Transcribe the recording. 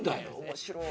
面白い。